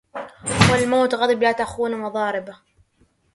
هو الموت عضب لا تخون مضاربه